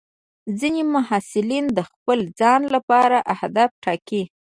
ځینې محصلین د خپل ځان لپاره اهداف ټاکي.